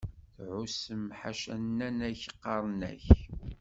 Tɛussem ḥaca nnan-ak qqaren-ak!